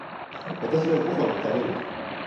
私はご飯を食べる。